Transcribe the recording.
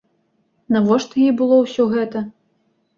Навошта ёй было ўсё гэта?